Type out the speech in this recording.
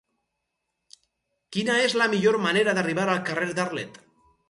Quina és la millor manera d'arribar al carrer d'Arlet?